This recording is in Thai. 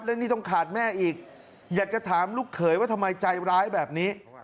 และนี่ต้องขาดแม่อีกอยากจะถามลูกเขยว่าทำไมใจร้ายแบบนี้